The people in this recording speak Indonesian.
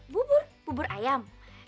bubur bubur ayam